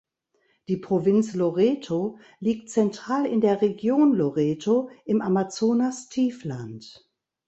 Die Provinz Loreto liegt zentral in der Region Loreto im Amazonastiefland.